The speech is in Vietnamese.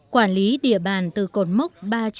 quản lý địa bàn từ cột mốc ba trăm năm mươi tám